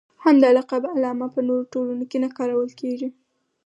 همدا لقب علامه په نورو ټولنو کې نه کارول کېږي.